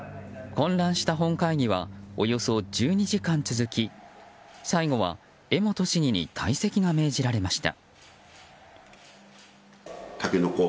混乱した本会議はおよそ１２時間続き最後は江本市議に退席が命じられました。